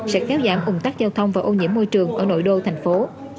sẽ kéo giảm ủng tắc giao thông và ô nhiễm môi trường ở nội đô thành phố